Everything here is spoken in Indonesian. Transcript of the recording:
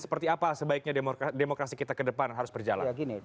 seperti apa sebaiknya demokrasi kita ke depan harus berjalan